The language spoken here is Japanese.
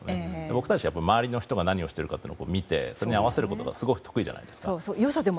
僕たちは周りの人たちが何をしてるかっていうのを見てそれに合わせるのがすごく得意じゃないですか。